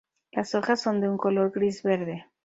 Las hojas son de un color gris-verde.